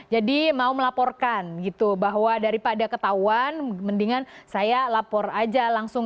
jadi mau melaporkan gitu bahwa daripada ketahuan mendingan saya lapor aja langsung